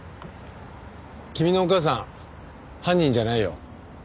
君のお母さん犯人じゃないよ。